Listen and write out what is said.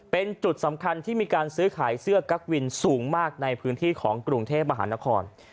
เป็นจุดสำคัญที่มีการซื้อขายเสื้อกั๊กวินสูงมากในพื้นที่ของกรุงเทพมหานคร